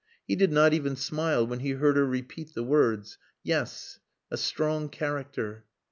He did not even smile when he heard her repeat the words "Yes! A strong character."